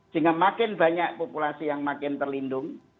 sehingga makin banyak populasi yang makin terlindung